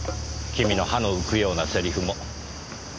君の歯の浮くようなセリフも。